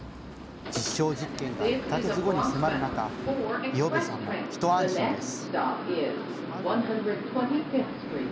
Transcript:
実証実験が１か月後に迫る中、五百部さんも一安心です。